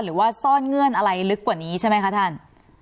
หรือว่าซ่อนเงื่อนอะไรลึกกว่านี้ใช่ไหมคะท่าน